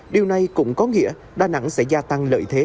điều này cũng có nghĩa đà nẵng sẽ gia tăng lợi thế